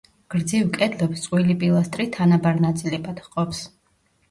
გრძივ კედლებს წყვილი პილასტრი თანაბარ ნაწილებად ჰყოფს.